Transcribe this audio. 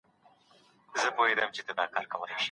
هغوی به خپل ځواب ویلی وي.